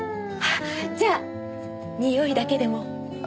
じゃあにおいだけでも。